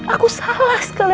aku salah sekali